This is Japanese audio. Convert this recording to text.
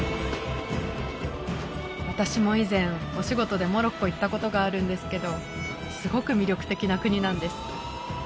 私も以前お仕事でモロッコ行ったことがあるんですけどすごく魅力的な国なんです